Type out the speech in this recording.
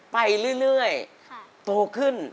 ไปเรื่อยโตขึ้น